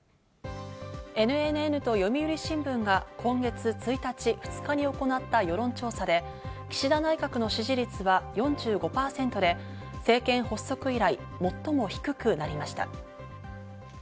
ＮＮＮと読売新聞が今月１日、２日に行った世論調査で、岸田内閣の支持率は４５％で、政権発足以来、最も低くなりました。